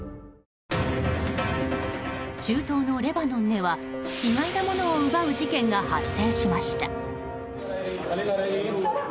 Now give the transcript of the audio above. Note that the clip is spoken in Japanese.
中東のレバノンでは意外なものを奪う事件が発生しました。